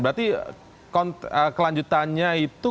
berarti kelanjutannya itu